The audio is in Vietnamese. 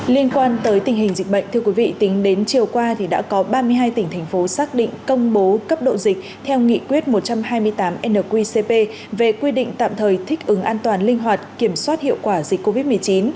liên quan tới tình hình dịch bệnh thưa quý vị tính đến chiều qua thì đã có ba mươi hai tỉnh thành phố xác định công bố cấp độ dịch theo nghị quyết một trăm hai mươi tám nqcp về quy định tạm thời thích ứng an toàn linh hoạt kiểm soát hiệu quả dịch covid một mươi chín